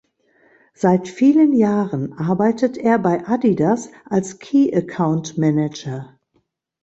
Seit vielen Jahren arbeitet er bei Adidas als Key-Account-Manager.